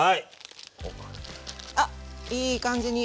あっいい感じに。